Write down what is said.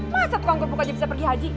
masa tukang kerupuk aja bisa pergi haji